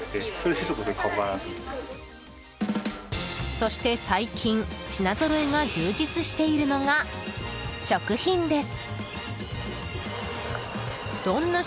そして最近、品ぞろえが充実しているのが食品です。